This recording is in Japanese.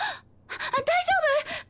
大丈夫？